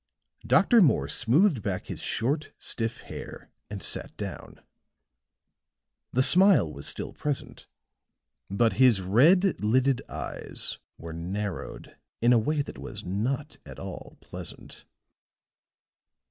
Dr. Morse smoothed back his short, stiff hair and sat down; the smile was still present, but his red lidded eyes were narrowed in a way that was not at all pleasant.